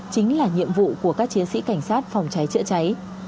chính là nhiệm vụ của các chiến sĩ cảnh sát phòng cháy chữa cháy